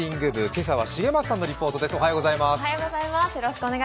今朝は重松さんのリポートです。